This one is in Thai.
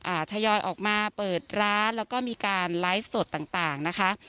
ทยอยออกมาเปิดร้านแล้วก็มีการไลฟ์สดต่างต่างนะคะ